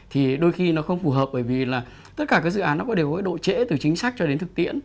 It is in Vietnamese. thì đôi khi nó không phù hợp bởi vì là tất cả các dự án nó có đều có độ trễ từ chính sách cho đến thực tiễn